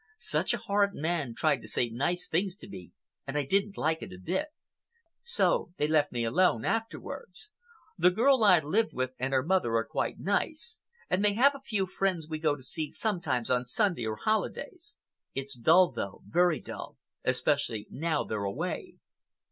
Such a horrid man tried to say nice things to me and I didn't like it a bit. So they left me alone afterwards. The girl I lived with and her mother are quite nice, and they have a few friends we go to see sometimes on Sunday or holidays. It's dull, though, very dull, especially now they're away."